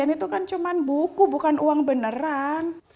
itu kan cuma buku bukan uang beneran